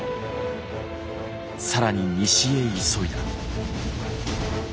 更に西へ急いだ。